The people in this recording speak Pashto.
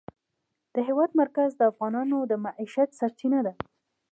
د هېواد مرکز د افغانانو د معیشت سرچینه ده.